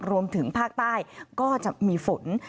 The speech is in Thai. รวมถึงภาคใต้ก็จะมีฝน